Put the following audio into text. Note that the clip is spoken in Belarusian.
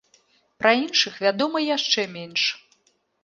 Пра іншых вядома яшчэ менш.